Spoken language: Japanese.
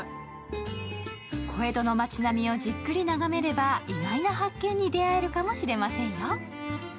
小江戸の町並みをじっくり眺めれば意外な発見に出会えるかも知れませんよ。